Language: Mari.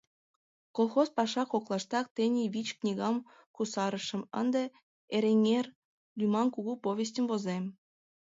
Колхоз паша коклаштак тений вич книгам кусарышым Ынде «Эреҥер» лӱман кугу повестьым возем.